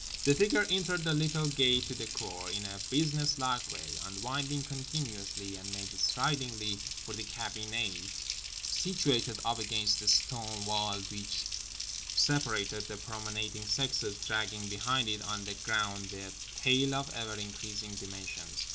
The figure entered the little gate to the cour in a business like way, unwinding continuously, and made stridingly for the cabinet situated up against the stone wall which separated the promenading sexes—dragging behind it on the ground a tail of ever increasing dimensions.